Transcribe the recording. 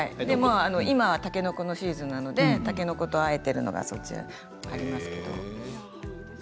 今はたけのこのシーズンなのでたけのことあえているものもあります。